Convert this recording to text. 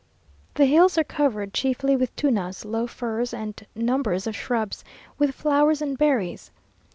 The hills are covered chiefly with tunas, low firs, and numbers of shrubs, with flowers and berries....